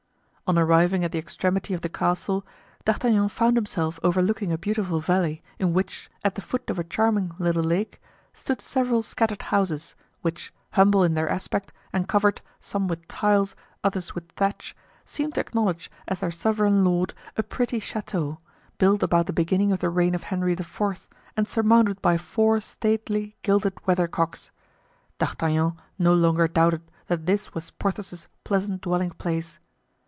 On arriving at the extremity of the castle D'Artagnan found himself overlooking a beautiful valley, in which, at the foot of a charming little lake, stood several scattered houses, which, humble in their aspect, and covered, some with tiles, others with thatch, seemed to acknowledge as their sovereign lord a pretty chateau, built about the beginning of the reign of Henry IV., and surmounted by four stately, gilded weather cocks. D'Artagnan no longer doubted that this was Porthos's pleasant dwelling place.